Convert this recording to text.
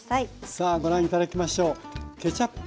さあご覧頂きましょう。